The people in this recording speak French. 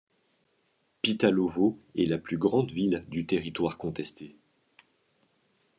Pytalovo est la plus grande ville du territoire contesté.